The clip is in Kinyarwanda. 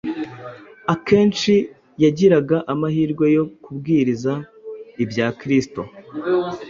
akenshi yagiraga amahirwe yo kubwiriza ibya Kristo